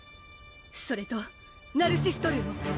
それとナルシストルーも！